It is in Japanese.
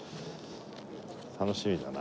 楽しみだな。